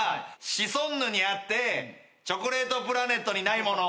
シソンヌにあってチョコレートプラネットにないもの。